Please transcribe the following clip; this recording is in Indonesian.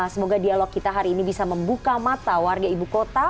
semoga dialog kita hari ini bisa membuka mata warga ibu kota